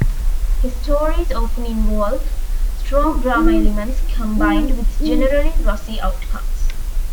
His stories often involve strong drama elements combined with generally rosy outcomes.